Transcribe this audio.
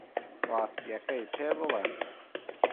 ڕاستییەکەی پێ بڵێ.